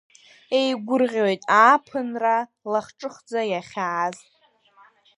Еигәырӷьоит ааԥынра лахҿыхӡа иахьааз.